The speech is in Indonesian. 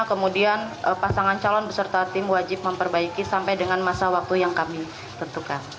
kemudian pasangan calon beserta tim wajib memperbaiki sampai dengan masa waktu yang kami tentukan